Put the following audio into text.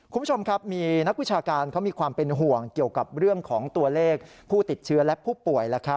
คุณผู้ชมครับมีนักวิชาการเขามีความเป็นห่วงเกี่ยวกับเรื่องของตัวเลขผู้ติดเชื้อและผู้ป่วย